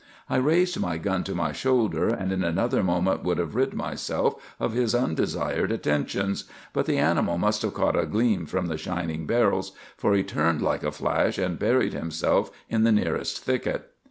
I raised my gun to my shoulder, and in another moment would have rid myself of his undesired attentions, but the animal must have caught a gleam from the shining barrels, for he turned like a flash, and buried himself in the nearest thicket.